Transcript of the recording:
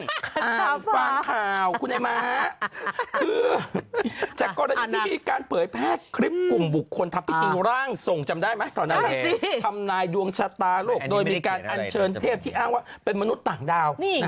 จำได้ไหมตอนนั้นอะไรสิทำนายดวงชะตาโลกโดยมีการอัญเชิญเทพที่อ้างว่าเป็นมนุษย์ต่างดาว